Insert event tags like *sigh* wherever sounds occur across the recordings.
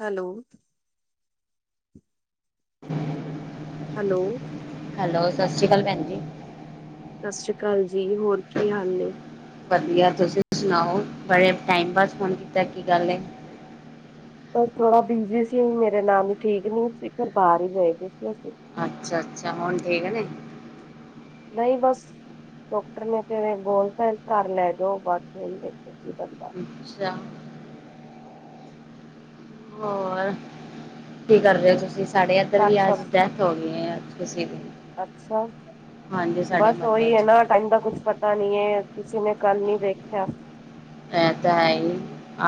Hello, *inaudible* hello, hello, ਸਤਿ ਸ਼੍ਰੀ ਅਕਾਲ ਭੈਣ ਜੀ, ਸਤਿ ਸ੍ਰੀ ਅਕਾਲ ਜੀ। ਹੋਰ ਕੀ ਹਾਲ ਨੇ। ਵਧੀਆ ਤੁਸੀਂ ਸੁਣਾਓ ਬੜੇ ਟਾਈਮ ਬਾਦ ਫੋਨ ਕੀਤਾ ਕੀ ਗੱਲ ਏ ਬਸ ਥੋੜਾ ਬਿਜੀ ਸੀ ਮੇਰੇ ਨਨਾਨ ਠੀਕ ਨਹੀਂ ਸੀ ਫਿਰ ਬਾਹਰ ਹੀ ਰਏ ਦੀ ਸੀ ਅੱਛਾ -ਅੱਛਾ ਹੁਣ ਠੀਕ ਨੇ ਨਹੀਂ ਬਸ ਡਾਕਟਰ ਨੇ ਤੇ ਬੋਲ ਤਾਂ ਘਰ ਲੈ ਜਾਓ ਬਸ ਦੇਖੋ ਕੀ ਬੰਦਾ ਅੱਛਾ ਹੋਰ ਕੀ ਕਰ ਰਹੇ ਹੋ ਤੁਸੀਂ ਸਾਡੇ ਇੱਧਰ ਘਰ ਵੀ ਆ ਸਭ ਜ *unintelligible* ਤੂੰਸੀ ਅੱਛਾ ਬਸ ਮਹੱਲੇ ਉਹੀ ਹੈ 'ਚ ਨਾ ਟਾਈਮ ਦਾ ਕੁਛ ਪਤਾ ਨੀ ਹੈ ਕਿਸੀ ਨੇ ਕੱਲ ਨੀ ਦੇਖਿਆ ਇਹ ਤਾਂ ਹੈ ਹੀ।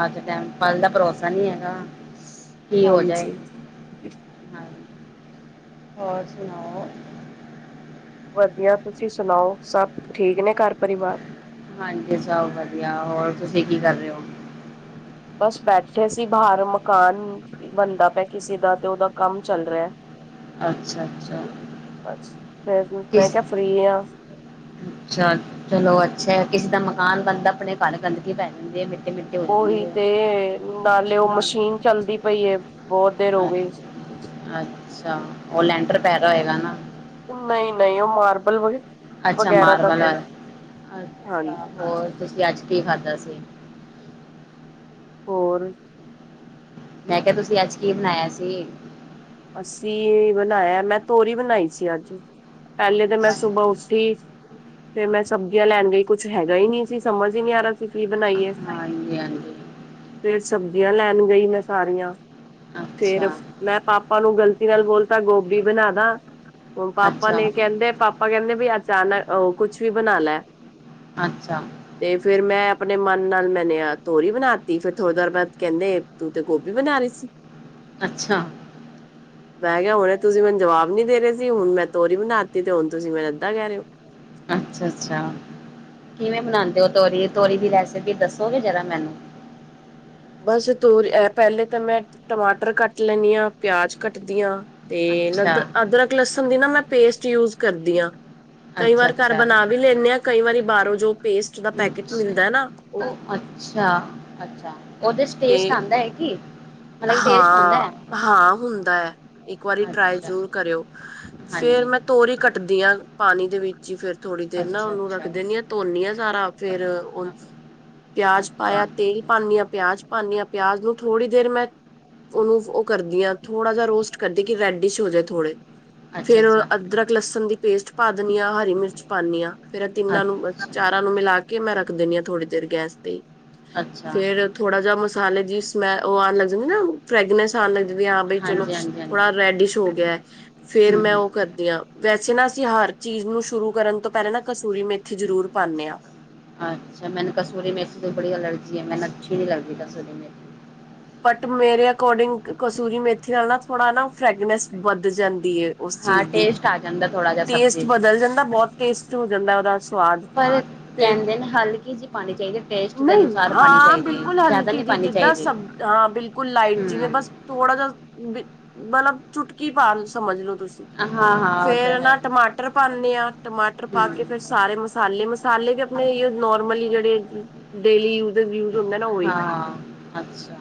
ਅੱਜ ਦੇ ਟਾਈਮ 'ਚ ਕੱਲ ਦਾ ਭਰੋਸਾ ਨਹੀਂ ਹੈਗਾ। ਕੀ ਹੋ ਜਾਏ ਹਾਂਜੀ। ਹਾਂਜੀ ਹੋਰ ਸੁਣਾਓ। ਵਧੀਆ ਤੁਸੀਂ ਸੁਣਾਓ ਸਭ ਠੀਕ ਨੇ ਘਰ ਪਰਿਵਾਰ। ਹਾਂਜੀ ਸਭ ਵਧੀਆ ਹੋਰ ਤੁਸੀਂ ਕੀ ਕਰ ਰਹੇ ਓ ਬਸ ਬੈਠੇ ਸੀ ਬਾਹਰ ਮਕਾਨ ਬਣਦਾ ਪਿਆ ਕਿਸੇ ਦਾ ਤੇ ਉਹਦਾ ਕੰਮ ਚੱਲ ਰਿਹਾ ਅੱਛਾ ਅੱਛਾ ਮੈਂ ਕਿਸ ਕਿਹਾ ਫਰੀ ਆਂ ਅੱਛਾ ਚਲੋ ਅੱਛਾ ਕਿਸੇ ਦਾ ਮਕਾਨ ਬਣਦਾ ਆਪਣੇ ਘਰ ਗੰਦਗੀ ਪੈ ਜਾਂਦੀ ਹੈ ਮਿੱਟੀ ਮਿੱਟੀ ਹੋ ਜਾਂਦੀ ਉਹੀ ਹੈ। ਤੇ ਨਾਲੇ ਉਹ ਮਸ਼ੀਨ ਚੱਲਦੀ ਪਈ-ਏ - ਅੱਛਾ ਉਹ ਲੈਂਟਰ ਪੈ ਰਿਆ ਹੋਏਗਾ ਨਾ ਨਹੀਂ -ਨਹੀਂ ਉਹ ਮਾਰਬਲ ਵ ਅੱਛਾ ਵਗੈਰਾ ਦਾ ਮਾਰਵਲ ਕੋਈ ਹਾਂਜੀ ਅੱਛਾ ਹੋਰ ਤੁਸੀਂ ਅੱਜ ਕੀ ਖਾਧਾ ਸੀ ਹੋਰ ਮੈਂ ਕਿਹਾ ਤੁਸੀਂ ਅੱਜ ਕੀ ਬਣਾਇਆ ਸੀ ਅੱਸੀਂ ਬਣਾਇਆ ਮੈਂ ਤੋਰੀ ਬਣਾਈ ਸੀ ਅੱਜ ਪਹਿਲੇ ਤਾਂ ਮੈਂ ਸੁਬਾਹ ਉੱਠੀ ਫੇਰ ਮੈਂ ਸਬਜ਼ੀਆਂ ਲੈਣ ਗਈ ਕੁੱਛ ਹੈਗਾ ਹੀ ਨਹੀਂ ਸੀ ਸਮਝ ਹੀ ਨਹੀਂ ਆ ਰਿਹਾ ਸੀ ਕੀ ਬਣਾਈਏ ਹਾਂਜੀ -ਹਾਂਜੀ ਫੇਰ ਸਬਜ਼ੀਆਂ ਲੈਣ ਗਈ ਮੈਂ ਸਾਰੀਆਂ ਫੇਰ ਅੱਛਾ ਮੈਂ ਪਾਪਾ ਪਾਪਾ ਨੂੰ ਗ਼ਲਤੀ ਨਾਲ ਬੋਲਤਾ ਗੋਭੀ ਬਣਾਦਾ ਹੁਣ ਪਾਪਾ ਅੱਛਾ ਨੇ ਕਹਿੰਦੇ ਪਾਪਾ ਪਾਪਾਂ ਕਹਿੰਦੇ ਬਈ ਅਚਾਨਕ ਕੁਛ ਵੀ ਬਣਾ ਲੈ ਅੱਛਾ ਤੇ ਫਿਰ ਮੈਂ ਆਪਣੇ ਮਨ ਨਾਲ ਮੈਨੇ ਆ ਤੋਰੀ ਬਣਾਤੀ ਫੇਰ ਥੋੜ੍ਹੀ ਦੇਰ ਬਾਅਦ ਕਹਿੰਦੇ ਤੂੰ ਤੇ ਗੋਭੀ ਬਣਾਣੀ ਸੀ ਅੱਛਾ ਮੈਂ ਕਿਹਾ ਹੁਣੇ ਤੁਸੀਂ ਮੈਨੂੰ ਜਵਾਬ ਨੀ ਦੇ ਰਹੇ ਸੀ ਹੁਣ ਮੈਂ ਤੋਰੀ ਬਣਾ ਦਿੱਤੀ ਤੇ ਹੁਣ ਤੁਸੀ ਮੈਨੂੰ ਐਦਾ ਕਹਿ ਰਹੇ ਹੋ ਅੱਛਾ -ਅੱਛਾ ਕਿਵੇਂ ਬਣਾਉਦੇ ਹੋ ਤੋਰੀ ਤੋਰੀ ਦੀ ਰੈਸਿਪੀ ਦੱਸੋਗੇ ਜਰਾ ਮੈਨੂੰ ਬਸ ਤ ਪਹਿਲੇ ਤਾਂ ਮੈਂ ਟਮਾਟਰ ਕੱਟ ਲੈਂਣੀ ਆਂ ਪਿਆਜ ਕੱਟਦੀ ਹਾਂ ਤੇ ਅੱਛਾ ਲਦ ਅਦਰਕ ਲਸਣ ਦੀ ਨਾ ਮੈਂ ਪੇਸਟ ਯੂਜ ਕਰਦੀ ਹਾਂ ਕਈ ਅੱਛਾ ਵਾਰ ਘਰ ਅੱਛਾ ਬਣਾ ਵੀ ਲੈਂਦੇ ਆਾਂ ਕਈ ਵਾਰੀ ਬਾਹਰੋਂ ਜੋ ਪੇਸਟ ਦਾ ਹੂੰ ਪੈਕੇਟ ਮਿਲਦਾ ਨਾ ਉਹ ਅੱਛਾ -ਅੱਛਾ ਉਹਦੇ ਚ ਤੇ ਟੇਸਟ ਆਉਂਦਾ ਐ ਕੀ ਹਾਂ -ਹਾਂ ਹੁੰਦਾ ਐ ਇੱਕ ਵਾਰੀ ਹੈ ਟਰਾਈ ਅੱਛਾ ਜ਼ਰੂਰ ਕਰਿਓ ਫੇਰ ਹਾਂਜੀ ਮੈਂ ਤੋਰੀ ਕੱਟਦੀ ਹਾਂ ਪਾਣੀ ਦੇ ਵਿੱਚ ਜੀਕਰ ਥੋੜੀ ਦੇਰ ਨਾ ਅੱਛਾ ਉਹਨੂੰ ਰੱਖ ਅੱਛਾ ਦਿੰਦੀ ਹਾਂ ਧੋਨੀ ਹਾਂ ਸਾਰਾ ਫੇਰ ਉਹ ਹਾਂ, ਪਿਆਜ ਅੱਛਾ ਪਾਇਆ ਤੇਲ ਪਾਨੀ ਆਂ ਪਿਆਜ ਪਾਨੀ ਆਂ ਪਿਆਜ ਨੂੰ ਥੋੜੀ ਦੇਰ ਮੈਂ ਉਹਨੂੰ ਉਹ ਕਰਦੀ ਆ ਥੋੜਾ ਜਿਹਾ ਰੋਸਟ ਕਰਦੀ ਕਿ ਰੈਡੀਸ ਹੋ ਜਾ ਥੋੜੇ ਅੱਛਾ ਫਿਰ ਅੱਛਾ ਅਦਰਕ ਲਸਣ ਦੀ ਪੇਸਟ ਪਾ ਦਿੰਨੀ ਆ ਹਰੀ ਮਿਰਚ ਪਾਦੀ ਆ ਫਿਰ ਤਿੰਨਾਂ ਨੂੰ ਅੱਛ- ਚਾਰਾਂ ਨੂੰ ਮਿਲਾ ਕੇ ਮੈਂ ਰੱਖ ਦੇਣੀ ਆ ਥੋੜੀ ਦੇਰ ਗੈਸ ਦੀ ਅੱਛਾ ਫਿਰ ਥੋੜਾ ਜਿਹਾ ਮਸਾਲੇ ਦੀ ਸਮੈਂ ਉਹ ਆਨ ਲਗਦੀ ਨਾ ਫਰੇਗਨ *unintelligible* ਜੀ ਆ ਬਈ ਚਲੋ ਹਾਂਜੀ ਹਾਂਜੀ ਹਾਂਜੀ ਥੋੜਾ ਰੈਡੀਸ਼ ਹੋ ਗਿਆ ਫਿਰ ਹੂੰ ਮੈਂ ਹੂੰ ਉਹ ਵੈਸੇ ਨਾ ਅਸੀਂ ਹਰ ਚੀਜ਼ ਨੂੰ ਸ਼ੁਰੂ ਕਰਨ ਤੋਂ ਪਹਿਲਾਂ ਨਾ ਕਸੂਰੀ ਮੇਥੀ ਜਰੂਰ ਪਾਨੇ ਆ ਅੱਛਾ, ਮੈਨੂੰ ਕਸੂਰੀ ਮੇਥੀ ਤੋ ਬੜੀ ਅਲਰਜੀ ਏ। ਮੈਨੁ ਅੱਛੀ ਨਹੀਂ ਲੱਗਦੀ ਕਸੂਰੀ ਮੇਥੀ। ਬਟ ਮੇਰੇ ਅਕੋਰਡਿੰਗ ਕਸੂਰੀ ਮੇਥੀ ਨਾਲ ਨਾ ਥੋੜਾ ਨਾ ਫਰੈਂਗਨੈਂਸ ਵੱਧ ਜਾਂਦੀ ਏ। ਉਸ ਹਾਂ ਚੀਜ਼ ਦੀ। ਟੇਸਟ ਆ ਜਾਂਦਾ ਥੋੜਾ ਜਿਹਾ ਟੇਸਟ ਸਬਜ਼ੀ ਬਦਲ 'ਚ ਜਾਂਦਾ ਬਹੁਤ ਟੇਸਟ ਹੋ ਜਾਂਦਾ ਔਦਾ। ਸਵਾਦ, ਪਰ ਫੇਰ, ਕਹਿੰਦੇ ਨੇ ਹਲਕੀ ਜਿਹੀ ਪਾਣੀ ਚਾਹੀਦੀ ਟੇਸਟ ਦੇ ਨਹੀਂ, ਅਨੁਸਾਰ ਪਾਣੀ ਹਾਂ ਚਾਹੀਦੀ ਬਿਲਕੁਲ ਹੈ ਜ਼ਿਆਦਾ ਹਲਕੀ ਨਹੀਂ ਜੀ ਪਾਣੀ ਜਿਦਾ ਚਾਹੀਦੀ ਸਬ ਹਾਂ। ਹਾਂ ਬਿਲਕੁਲ ਲਾਈਟ ਜਿਵੇਂ ਹੂੰ ਬਸ ਥੋੜਾ ਜਾ ਬੀ ਮਲਬ ਚੁਟਕੀ ਪਾ ਲੋ ਸਮਝ ਲੋ ਤੁਸੀਂ ਹਾਂ-ਹਾਂ, ਉਹ ਤਾਂ ਫੇਰ ਹੈ ਨਾ ਹੀ ਟਮਾਟਰ ਪਾਣੀ ਆ ਟਮਾਟਰ ਪਾ ਕੇ ਫੇਰ ਹੂੰ, ਸਾਰੇ ਮਸਾਲੇ ਮਸੁ ਸਾਲੇ ਵੀ ਆਪਣੇ ਇਯੋ ਨੋਰਮਲੀ ਜੇਡੇ ਡੇਲੀ ਯੂਜਿਸ ਯੂਸ ਹੁੰਦੇ ਨਾ ਔਈ। ਹਾਂ, ਅੱਛਾ।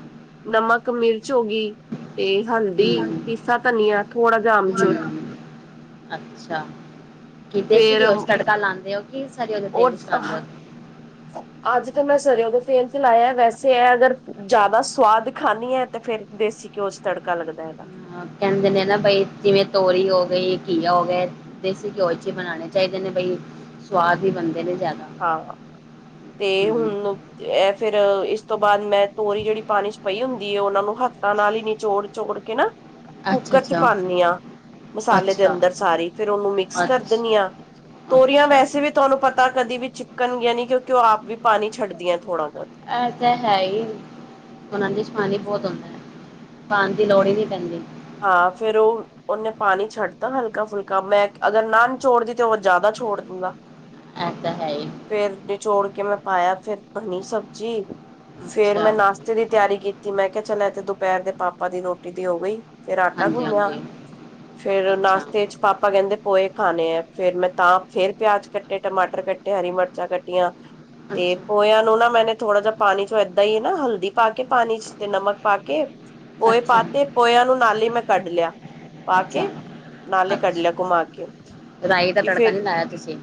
ਨਮਕ, ਮਿਰਚ ਹੋ ਗੀ ਤੇ ਹਲਦੀ, ਹੂੰ, ਪੀਸਾ ਧਨੀਆ ਥੋੜਾ ਜਿਹਾ ਆਮ ਚੂਰ। ਹੂੰ ਅੱਛਾ ਕਿ ਦੇਸੀ ਫੇਰ ਗਯੋ ਚ ਤੜਕਾ ਲਾਂਦੇ ਔ ਕਿ ਸਰਓ ਦੇ ਉਹ ਤੇਲ ਇੰਚ ਲਾਂਦੇ ਔ? ਅੱਜ ਤੇ ਮੈਂ ਸਰਯੋ ਦੋਂ ਤੇਲ ਚ ਲਾਇਆ ਵੈਸੇ ਐ ਅਗਰ ਜਾਦਾ ਸੁਵਾਦ ਖਾਂਨੀ ਏ ਤੇ ਫੇਰ ਦੇਸੀ ਕਯੋ ਚ ਤੜਕਾ ਲੱਗਦਾ ਏ ਏਦਾ। ਕੇਂਦੇ ਨੇ ਨਾ ਬਈ ਜਿਵੇਂ ਤੋਰੀ ਹੋ ਗਈ ਘੀਆ ਹੋ ਗਏ ਦੇਸੀ ਕਯੋ ਇੰਚ ਬਣਾਣੇ ਚਾਹੀਦੇ ਨੇ ਬਈ, ਸਵਾਦ ਵੀ ਬੰਦੇ ਨੇ ਜਿਆਦਾ। ਹਾਂ, ਤੇ ਹੁਣ ਏ ਫਿਰ ਇਸ ਤੋਂ ਬਾਅਦ ਮੈਂ ਤੋਰੀ ਜਿਹੜੀ ਪਾਣੀ ਚ ਪਈ ਹੁੰਦੀ ਏ ਉਹਨਾਂ ਨੂੰ ਹੱਥਾਂ ਨਾਲ ਹੀ ਨਿਚੋੜ ਚੋੜ ਕੇਨਾ ਕੂਕਰ ਚ ਅੱਛਾ-ਅੱਛਾ, ਪਾਨੀ ਆ, ਮਸਾਲੇ ਦੇ ਅੱਛਾ, ਅੰਦਰ ਸਾਰੀ, ਫਿਰ ਔਨੂੰ ਮਿਕਸ ਕਰ ਦੇਣੀ ਅੱਛਾ, ਆ। ਤੋਰੀਆਂ ਅੱਛਾ ਅੱਛਾ ਵੈਸੇ ਵੀ ਤੁਹਾਨੂੰ ਪਤਾ ਕਦੀ ਵੀ ਚਿਪਕਨ ਗਿਆਂ ਨਹੀ ਕਿਉਂਕਿ ਔ ਆਪ ਵੀ ਪਾਣੀ ਛੱਡ ਦਿਆਂ ਥੋੜੀ ਬੋਹਤ। ਐ ਤਾ ਹੈ ਈ ਓਨਾ ਦੇ ਵਿਚ ਪਾਣੀ ਬਹੁਤ ਹੋਂਦਾ। ਪਾਨ ਦੀ ਲੋੜ ਹੀ ਨਹੀਂ ਪੈਂਦੀ। ਆ ਫੇਰ ਉਹ ਔਨੇ ਪਾਣੀ ਛੱਡ ਤਾ ਹਲਕਾ ਫੁਲਕਾ ਮੈਂ ਅਗਰ ਨਾ ਨਿਚੋੜਦੀ ਤੇ ਹਔ ਜਿਆਦਾ ਛੋੜ ਦੂਗਾ। ਐ ਤਾਂ ਹੈ ਈ ਫੇਰ ਨਿਚੋੜ ਕੇ ਮੈਂ ਪਾਇਆ ਫੇਰ ਬਣੀ ਸਬਜ਼ੀ। ਫੇਰ ਮੈਂ ਅੱਛਾ ਨਾਸ਼ਤੇ ਦੀ ਤਿਆਰੀ ਕੀਤੀ ਮੈਂ ਕਿਹਾ ਚੱਲ ਏ ਤੇ ਦੁਪਹੇਰ ਦੇ ਪਾਪਾ ਦੀ ਰੋਟੀ ਦੀ ਹੋ ਗਈ। ਫੇਰ ਆਟਾ ਹਾਂਜੀ ਗੁਣੇਆ। ਹਾਂਜੀ ਫੇਰ ਅੱਛਾ ਨਾਸ਼ਤੇ ਚ ਪਾਪਾ ਕਹਿੰਦੇ ਪੋਏ ਖਾਣੇ ਏ ਫੇਰ ਮੈਂ ਤਾਂ ਫਿਰ ਪਿਆਜ਼ ਕੱਟੇ ਟਮਾਟਰ ਕਟ ਤੇ ਹਰੀ ਮਿਰਚਾਂ ਕੱਟੀਆਂ। ਤੇ ਅੱਛਾ ਪੋਇਆ ਨੂੰ ਨਾ ਮੈਨੇ ਥੋੜਾ ਜਿਹਾ ਪਾਣੀ ਚੋਂ ਏਦਾਂ ਈ ਨਾ ਹਲਦੀ ਪਾ ਕੇ ਪਾਣੀ ਚ ਤੇ ਨਮਕ ਪਾ ਕੇ ਪੋਏ ਅੱਛਾ ਪਾਤੇ ਤੇ ਪੋਇਆਂ ਨੂੰ ਨਾਲ ਈ ਮੈਂ ਕੱਢ ਲਿਆ। ਪਾ ਅੱਛਾ ਕੇ, ਨਾਲੇ ਕੱਢ ਲਿਆ ਅੱਛਾ ਘੁਮਾ ਕੇ। ਰਾਈ ਦਾ ਤੜਕਾ ਕਿਸੇ ਨਹੀਂ ਲਾਇਆ ਤੁਸੀਂ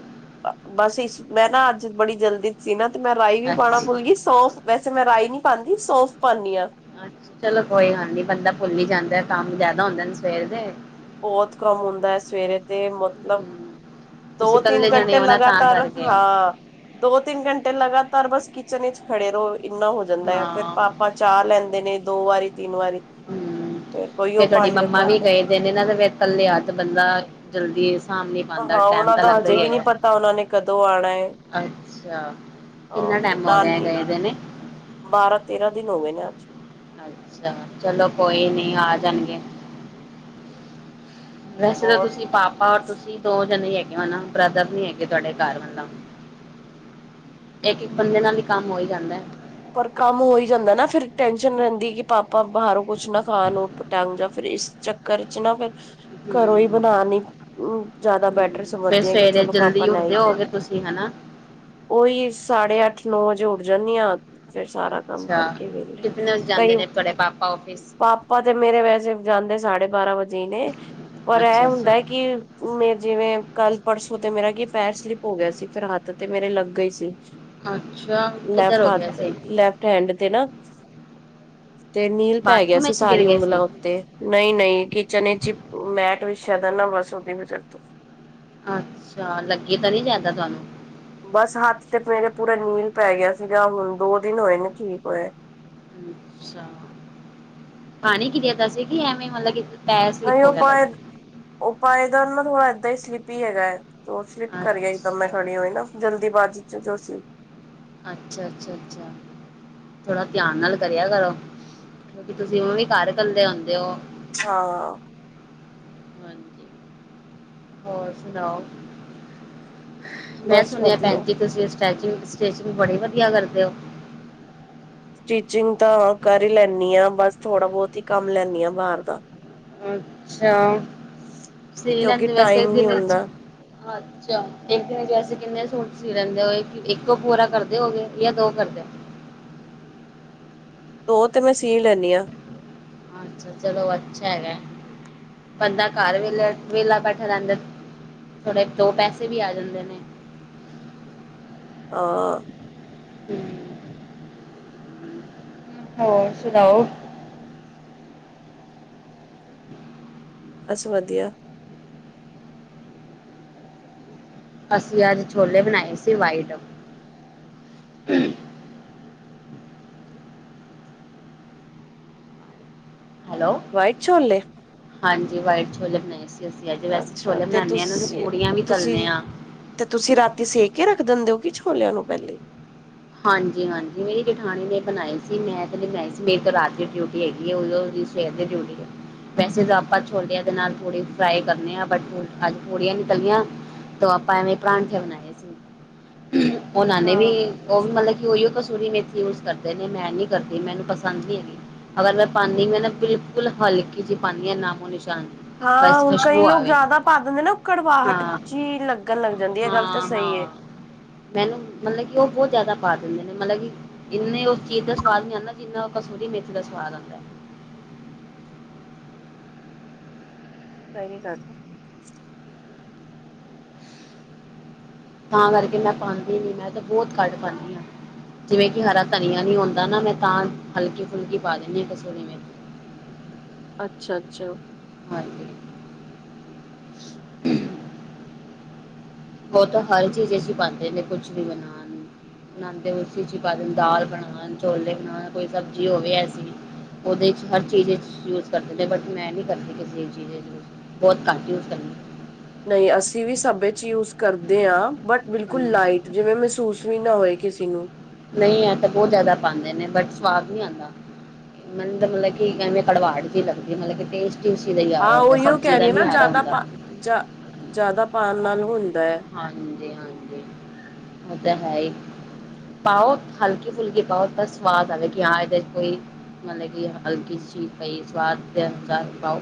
ਬਸ ਇਸ ਮੈਂ ਨਾ ਅੱਜ ਬੜੀ ਜਲਦੀ ਸੀਂ ਨਾ ਤੇ ਮੈਂ ਰਾਈ ਵੀ ਅੱਛਾ ਪਾਣਾ ਭੁਲ ਗਈ। ਸੌਫ ਵੈਸੇ ਮੈਂ ਰਾਈ ਨਹੀਂ ਪਾਂਦੀ ਸੌਂਫ ਪਾਨੀ ਆਂ। ਅੱਛਾ ਚਲੋ ਕੋਈ ਗੱਲ ਨਹੀਂ, ਬੰਦਾ ਪੁਲ ਹੀ ਜਾਂਦਾ ਕੰਮ ਜਿਆਦਾ ਹੁੰਦਾ ਨਾ ਸਵੇਰ। ਬੋਹਤ ਕਾਮ ਹੋਂਦਾ ਏ ਸਵੇਰੇ ਤੇ ਮਤਲਬ ਹਮ, ਤੁਸੀਂ ਦੋ-ਤਿੰਨ ਇਕੱਲੇ ਜਾਣੇ ਘੰਟੇ ਹੋ ਨਾ ਤਾਂ ਲਗਾਤਾਰ ਕਰਕੇ ਹਾਂ। ਦੋ-ਤਿੰਨ ਘੰਟੇ ਲਗਾਤਾਰ ਬਸ ਕਿਚਨ ਵਿੱਚ ਖੜੇ ਰਹੋ ਇੰਨਾ ਹੋ ਜਾਂਦਾ ਫੇਰ ਹਮ ਪਾਪਾ ਪਾਪਾ ਚਾਹ ਲੈਂਦੇ ਨੇ ਦੋ ਵਾਰੀ ਤਿੰਨ ਵਾਰੀ। ਫਿਰ ਤੇ ਉਹੀਓ ਤੁਹਾਡੀ ਭਾਂਡੇ ਮਮਾ ਵੀ ਭਰਨਾ ਗਏ ਦੇ ਨਾ, ਕਲੇ ਹੱਥ ਬੰਦਾ ਜਲਦੀ ਕਾਮ ਨਹੀ ਪਾਂਦਾ, ਹਾਂ ਟੈਮ ਉਹਨਾਂ ਤਾਂ ਦਾ ਲੱਗਦਾ ਹਜੇ ਹੀ ਵੀ ਨਹੀਂ ਹੈਗਾ। ਪਤਾ ਉਹਨਾਂ ਨੇ ਕਦੋਂ ਆਣਾ ਹੈ ਅੱਛਾ। ਕਿੰਨਾ ਅ ਟਾਈਮ ਹੋ ਗਿਆ, ਨਾਨੀ ਗਏ ਦੇ ਨੇ? ਬਾਰਾਂ ਤੇਰਾਂ ਦਿਨ ਹੋ ਗਏ ਨੇ ਅੱਜ। ਅੱਛਾ, ਚਲੋ ਕੋਈ ਨੀ ਆ ਜਾਣਗੇ। ਵੈਸੇ ਤਾਂ ਹੋਰ ਤੁਸੀਂ ਪਾਪਾ ਔਰ ਤੁਸੀਂ ਦੋ ਜਣੇ ਹੈਗੇ ਔ ਨਾ। ਬ੍ਰਦਰ ਨੀ ਹੈਗੇ ਤੁਹਾਡੇ ਕਾਰ ਮਤਲਬ। ਇੱਕ-ਇੱਕ ਬੰਦੇ ਨਾਲ ਹੀ ਕੰਮ ਹੋ ਈ ਜਾਂਦਾ। ਪਰ ਕੰਮ ਹੋਈ ਈ ਜਾਂਦਾ ਨਾ ਫੇਰ ਟੈਨਸ਼ਨ ਰਹਿੰਦੀ ਕਿ ਪਾਪਾ ਬਾਹਰੋਂ ਕੁਛ ਨਾ ਖਾਣ ਔ ਟੰਗ ਜਾਂ ਫ੍ਰੀ ਇਸ ਚੱਕਰ ਚ ਨਾ ਫੇਰ ਘਰੋਂ ਹੀ ਹਮ ਬਣਾ ਨੀ ਜਿਆਦਾ ਬੈਟ ਫੇਰ ਹਮ ਫਿਰ ਸਮਜਦੀ ਆਂ ਕਿ ਕਿ ਸਵੇਰੇ ਚਲੋ ਪਾਪਾ ਜਲਦੀ ਲੈ ਉੱਠਦੇ ਹੀ ਹੋਗੇ ਜਾਨ ਤੁਸੀਂ ਹਨਾ ਉਹੀ ਸਾਢੇ ਅੱਠ ਨੌ ਵਜੇ ਉੱਠ ਜਾਂਦੀ ਹਾਂ। ਫਿਰ ਸਾਰਾ ਕੰਮ ਅੱਛਾ ਕਰਕੇ ਵੇਲੇ ਕਿਤਨੇ ਵਜੇ ਜਾਂਦੇ ਕਈ ਪਾਪ ਨੇ ਤੁਹਾਡੇ ਪਾਪਾ ਆਫਿਸ ਪਾਪਾ ਤੇ ਮੇਰੇ ਵੈਸੇ ਜਾਂਦੇ ਸਾਢੇ ਬਾਰਾਂ ਵਜੇ ਹੀ ਨੇ ਪਰ ਇਹ ਅੱਛਾ ਅੱਛਾ ਹੁੰਦਾ ਕਿ ਮੇ ਜਿਵੇਂ ਕੱਲ ਪਰਸੋਂ ਤੇ ਮੇਰਾ ਕੀ ਪੈਰ ਸਲਿਪ ਹੋ ਗਿਆ ਸੀ ਫੇਿਰ ਹੱਥ ਤੇ ਮੇਰੇ ਲੱਗ ਗਈ ਸੀ। ਅੱਛਾ ਕਿੱਧਰ ਲੈਫਟ ਹੋ ਗਿਆ ਹੱਥ ਸੀ। ਲੈਫਟ ਹੈਂਡ ਤੇ ਨਾ ਤੇ ਨੀਲ ਪੈ ਗਿਆ ਬਾਥਰੂਮ ਸੀ ਵਿੱਚ ਗਿਰ ਸਾਰੀ ਗਏ ਉਂਗਲਾ ਸੀ ਉੱਤੇ। ਨਈ-ਨਈ ਕਿਚਨ ਇਚ ਮੈਟ ਵਿਸ਼ਆ ਦਾ ਨਾ ਬਸ ਉਦੀ ਵਜਾ ਤੋ। ਅੱਛਾ ਲੱਗੀ ਤੇ ਨੀ ਜਾਦਾ ਤੁਹਾਨੂੰ। ਬਸ ਹੱਥ ਤੇ ਮੇਰੇ ਪੂਰਾ ਨੀਲ ਪੈ ਗਿਆ ਸੀਗਾ ਹੁਣ ਦੋ ਦਿਨ ਹੋਏ ਨੇ ਠੀਕ ਹੋਏ। ਅੱਛਾ ਪਾਣੀ ਕਿ ਦੇ ਤਾ ਸੀ ਕਿ ਐਵੇਂ ਮਤਲਬ ਪੈਰ ਹਾਏ ਸਲਿੱਪ ਹੋ ਉਹ ਗਿਆ ਪਾਏ ਤੁਹਾਡਾ ਪਾਏਦਾਰ ਨਾ ਥੋੜ੍ਹਾ ਇਦਾ ਹੀ ਸਲੀਪੀ ਹੈਗਾ। ਤੋ ਸਲੀਪ ਕਰ ਗਈ ਇਕਦਮ ਮੈਂ ਅੱਛਾ ਖੜੀ ਹੋਈ ਨਾ ਜਲਦੀ ਬਾਜੀ ਚ ਜੋ ਸੀ। ਅੱਛ-ਅੱਛਾ, ਅੱਛਾ ਥੋੜਾ ਧਿਆਨ ਨਾਲ ਕਰਿਆ ਕਰੋ ਕਿਉਂਕਿ ਤੁਸੀਂ ਉਹ ਵੀ ਘਰ ਕੱਲੇ ਹੁੰਦੇ ਹੋ। ਹਾਂ ਹਾਂਜੀ ਹੋਰ ਸੁਣਾਓ? ਮੈਂ ਬਸ ਸੁਣਿਆ ਭੈਣ ਵਧੀਆ ਜੀ ਤੁਸੀਂ ਸਟੈਚਗ ਸਟੈਚਿੰਗ ਬੜੀ ਵਧੀਆ ਕਰਦੇ ਹੋ। ਟੀਚਿੰਗ ਤਾਂ ਕਰ ਹੀ ਲੈਨੀ ਹਾ ਬਸ ਥੋੜਾ ਬੌਤ ਹੀ ਕੰਮ ਲੈਨੀ ਹਾ ਬਾਰ ਦਾ। ਅੱਛਾ ਸੀ ਕਿਉਂਕਿ ਲੈਂਦੇ ਵੈਸੇ ਟਾਈਮ ਨੀ ਦਿਨ ਵਿਚ ਹੁੰਦਾ ਚ ਇੱਕ ਦਿਨ ਵੈਸੇ ਕਿੰਨੇ ਸੂਟ ਸੀ ਲੈਂਦੇ ਹੋ ਇੱਕੋ ਪੂਰਾ ਕਰਦੇ ਹੋਗੇਏ ਯਾ ਦੋ ਕਰਦੇ। ਦੋ ਤੇ ਮੈਂ ਸੀ ਲੈਨੀ ਹਾਂ। ਅੱਛਾ ਚਲੋ ਅੱਛਾ ਹੈਗਾ ਬੰਦਾ ਘਰ ਵੇਲਾ ਵਹਲਾ ਬੈਠੇ ਰਹਿੰਦਾ। ਥੋੜੇ ਦੋ ਪੈਸੇ ਵੀ ਆ ਜਾਂਦੇ ਨੇ। ਹਾਂ ਹੁ ਹੋਰ ਸੁਣਾਓ? ਬਸ ਵਧੀਆ। ਅਸੀ ਅੱਜ ਛੋਲੇ ਬਣਾਏ ਸੀ ਵਾਈਟ। ਹੈਲੋ ਵਾਈਟ ਛੋਲੇ। ਹਾਂਜੀ, ਵਾਈਟ ਛੋਲੇ ਬਣਾਏ ਸੀ ਅਸੀ ਅੱਜ ਵੈਸੇ ਅੱਛਾ ਛੋਲੇ ਬਣਾਨੇ ਹਾਂ ਨਾ ਤੇ ਤੁਸੀਂ ਪੂੜੀਆ ਵੀ ਤੁਸੀਂ ਤਲਣੇ ਆ। ਤੇ ਤੁਸੀਂ ਰਾਤੀ ਸੇ ਕੇ ਰੱਖ ਦਿੰਦੇ ਹੋ ਕਿ ਛੋਲਿਆ ਨੂੰ ਪਹਿਲੇ। ਹਾਂਜੀ-ਹਾਂਜੀ ਮੇਰੀ ਜਠਾਣੀ ਨੇ ਬਣਾਈ ਸੀ ਮੈਂ ਤੇ ਨੀ ਬਣਾਈ ਸੀ ਮੇਰੀ ਤੇ ਰਾਤ ਦੀ ਡਿਊਟੀ ਹੈਗੀ ਹੈ *unintelligible* ਸਵੇਰ ਦੀ ਡਿਊਟੀ ਏ। ਵੈਸੇ ਤਾਂ ਆਪਾਂ ਛੋਲਿਆ ਦੇ ਨਾਲ ਥੋੜੀ ਫਰਾਈ ਕਰਨੇ ਆ ਬਟ ਅੱਜ ਪੂੜੀਆਂ ਨੀ ਤਲੀਆ। ਤੋ ਆਪਾ ਐਵੇ ਪਰਾਂਠੇ ਬਣਾਏ ਸੀ ਉਹਨਾ ਨੇ ਵੀ ਅੱਛਾ ਉਹ ਵੀ ਮਤਲਬ ਕਿ ਉਹੀਓ ਕਸੂਰੀ ਮੇਥੀ ਯੂਜ ਕਰਦੇ ਨੇ ਮੈਂ ਨੀ ਕਰਦੀ ਮੈਨੂੰ ਪਸੰਦ ਨੀ ਹੈਗੀ। ਅਗਰ ਮੈਂ ਪਾਨੀ ਵੀ ਆ ਨਾ ਬਿਲਕੁਲ ਹਲਕੀ ਜਿਹੀ ਪਾਨੀ ਹਾਂ ਨਾਮੋ ਨਿਸ਼ਾਨ ਹਾਂ ਬਸ ਹੁਣ ਕਈ ਖੁਸ਼ਬੂ ਲੋਕ ਆਵੇ ਜਾਦਾ ਪਾ ਦਿੰਦੇ ਨਾ ਕੜਵਾਹਟ ਹਾਂ ਜੀ ਲੱਗਣ ਲੱਗ ਜਾਂਦੀ ਹੈ ਗੱਲ ਤਾ ਹਾਂ ਸਹੀ ਐ। ਹਾਂ ਮੈਨੂੰ ਮਲਬ ਕਿ ਉਹ ਬਹੁਤ ਜਾਦਾ ਪਾ ਦਿੰਦੇ ਨੇ ਮਲਬ ਕਿ ਇੰਨੇ ਉਹ ਚੀਜ਼ ਦਾ ਸਵਾਦ ਨੀ ਆਂਦਾ ਜਿੰਨਾ ਉਹ ਕਸੂਰੀ ਮੇਥੀ ਦਾ ਸਵਾਦ ਆਂਦਾ। *unintelligible* ਤਾ ਕਰਕੇ ਮੈਂ ਪਾਂਦੀ ਨੀ ਮੈਂ ਤਾ ਬੌਤ ਘੱਟ ਪਾਨੀ ਹਾ। ਜਿਵੇਂ ਕਿ ਹਰਾ ਧਨੀਆ ਨ ਹੁੰਦਾ ਨਾ ਮੈਂ ਤਾਂ ਹਲਕੀ ਫੁਲਕੀ ਪਾ ਦਿੰਦੀ ਹਾ ਕਸੂਰੀ ਮੇਥੀ। ਅੱਛਾ-ਅੱਛਾ ਹਾਂਜੀ ਉਹ ਤਾ ਹਰ ਚੀਜ਼ ਵਿੱਚ ਪਾਂਦੇ ਨੇ ਕੁਛ ਵੀ ਬਣਾਨ। ਬਣਾਦੇ ਹੋਣ ਉਸੀ ਵਿੱਚ ਪਾ ਦੇ ਦਾਲ ਬਨਾਨ, ਛੋਲੇ ਬਨਾਨ ਕੋਈ ਸਬਜ਼ੀ ਹੋਵੇ ਐਸੀ। ਉਹਦੇ ਚ ਹਰ ਚੀਜ਼ ਯੂਜ ਕਰਦੇ ਬਟ ਮੈਂ ਨੀ ਕਰਦੀ ਕਿਸੇ ਚੀਜ ਇਚ ਯੂਜ। ਬੋਹਤ ਘੱਟ ਯੂਜ ਕਰਨੀ ਨਹੀਂ ਅਸੀਂ ਵੀ ਸਭ ਯੂਜ ਕਰਦੇ ਹਾਂ ਬਟ ਬਿਲਕੁਲ ਕਰਦੀ ਲਾਈਟ ਜਿਵੇਂ ਮਹਿਸੂਸ ਵੀ ਨਾ ਹੋਏ ਕਿਸੇ ਨੂੰ ਨਹੀਂ ਇਹ ਤਾਂ ਬਹੁਤ ਜ਼ਿਆਦਾ ਪਾਉਂਦੇ ਨੇ ਬਟ ਸਵਾਦ ਨਹੀਂ ਆਉਂਦਾ। ਮੈਨੂੰ ਮਤਲਬ ਕਿ ਕਵੇਂ ਕੜਵਾਟ ਚ ਲੱਗਦੀ ਮਤਲਬ ਕਿ ਟੇਸਟ *inaudible* ਹਾਂ ਉਹੀਓ ਕਹਿ ਰਹੀ ਹੈ ਨਾ ਜ਼ਿਆਦਾ ਪਾ ਜਾ ਜ਼ਿਆਦਾ ਪਾਉਣ ਨਾਲ ਹੁੰਦਾ ਹੈ। ਹਾਂਜੀ, - ਹਾਂਜੀ। ਉਹ ਤਾਂ ਹੈ ਹੀ ਪਾਓ ਹਲਕੀ ਫੁਲਕੀ ਪਾਓ ਤਾਂ ਸਵਾਦ ਆਵੇ ਕਿ ਹਾਂ ਇਹਦੇ ਚ ਪਈ ਮਤਲਬ ਕਿ ਹਲਕੀ ਚੀਜ ਪਾਓ ਸਵਾਦ ਦੇ ਅਨੁਸਾਰ ਪਾਓ।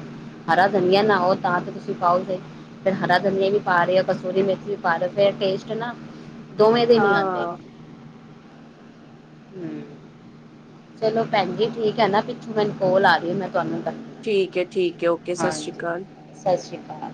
ਹਰਾ ਦਨੀਆ ਨਾ ਤਾਂ ਤੁਸੀਂ ਪਾਓਗੇ ਫੇਰ ਹਰਾ ਦਨੀਆ ਵੀ ਪਾ ਰਹੇ ਆ ਕਸਤੂਰੀ ਮੇਥੀ ਵੀ ਪਾ ਰਹੇ ਫੇਰ ਟੇਸਟ ਨਾ ਦੋਵੇਂ ਦੇ ਨੀ ਆਉਂਦੇ। ਹਾਂ ਹੂੰ। ਚਲੋ ਭੈਣ ਜੀ ਠੀਕ ਹੈ ਨਾ ਪਿੱਛੋਂ ਮੈਨੂੰ ਕੋਲ ਆ ਰਹੀ ਮੈਂ ਤੁਹਾਨੂੰ ਕਰ ਠੀਕ ਹੈ- ਠੀਕ ਹੈ ਓਕੇ ਸਤਿ ਸ਼੍ਰੀ ਅਕਾਲ। ਸਤਿ ਸ਼੍ਰੀ ਅਕਾਲ।